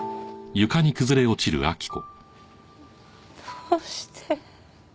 どうして？